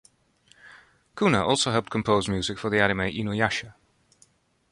Cunnah also helped compose music for the anime "InuYasha".